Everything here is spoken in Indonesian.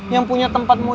yang punya tempat mudah